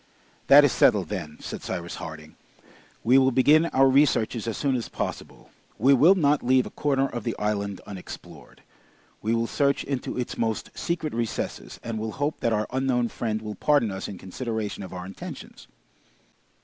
"That is settled, then," said Cyrus Harding. "We will begin our researches as soon as possible. We will not leave a corner of the island unexplored. We will search into its most secret recesses, and will hope that our unknown friend will pardon us in consideration of our intentions!"